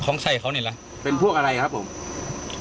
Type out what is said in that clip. ของใช้เขานี่ละเป็นพวกอะไรครับผม